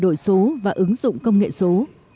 đổi số và ứng dụng công nghệ số